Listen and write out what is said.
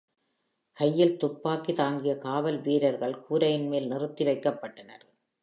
கையில் துப்பாக்கி தாங்கிய காவல் வீரர்கள் கூரையின் மேல் நிறுத்தி வைக்கப்பட்டனர்.